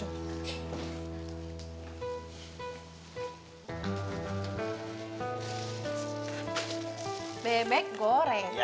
ya bebek goreng